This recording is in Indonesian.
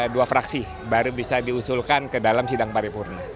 dua fraksi baru bisa diusulkan ke dalam sidang paripurna